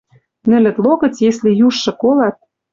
Нӹлӹт логӹц если южшы колат